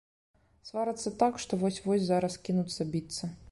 Сварацца так, што вось-вось зараз кінуцца біцца.